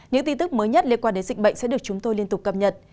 những tin tức mới nhất liên quan đến dịch bệnh sẽ được chúng tôi liên tục cập nhật